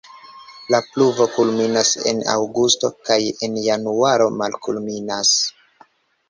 La pluvo kulminas en aŭgusto kaj en januaro malkulminas.